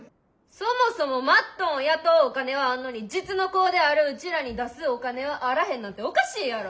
そもそもマットンを雇うお金はあんのに実の子であるうちらに出すお金はあらへんなんておかしいやろ。